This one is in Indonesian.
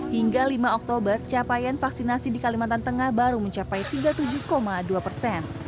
hingga lima oktober capaian vaksinasi di kalimantan tengah baru mencapai tiga puluh tujuh dua persen